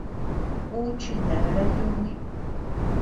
Uu chineabea yúni.